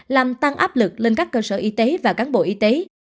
làm tăng áp lực lên các cơ sở y tế và cán bộ y tế